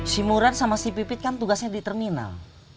si murad sama si pipit kan tugasnya di terminal